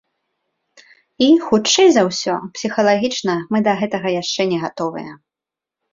І, хутчэй за ўсё, псіхалагічна мы да гэтага яшчэ не гатовыя.